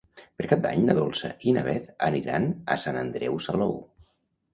Per Cap d'Any na Dolça i na Beth aniran a Sant Andreu Salou.